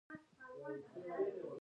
هر انسان پۀ خپل عمل بللے کيږي